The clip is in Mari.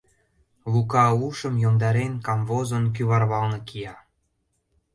Лука, ушым йомдарен камвозын кӱварвалне кия.